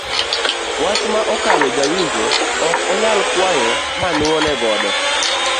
Wach ma okalo ja winjo ok onyal kwayo ma nuone godo.